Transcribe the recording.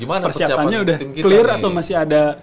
gimana persiapannya udah clear atau masih ada